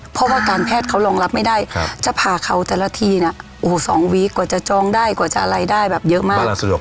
เพราะว่าการแพทย์เขารองรับไม่ได้จะผ่าเขาแต่ละทีเนี่ยโอ้โห๒วีคกว่าจะจองได้กว่าจะอะไรได้แบบเยอะมาก